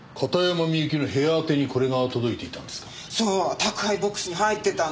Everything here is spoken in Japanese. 宅配ボックスに入ってたの。